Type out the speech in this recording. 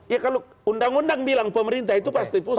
ya kalau undang undang bilang pemerintah itu pasti pusat